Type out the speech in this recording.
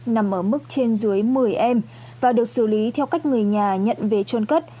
nằm ở mức trên dưới một mươi em và được xử lý theo cách người nhà nhận về trôn cất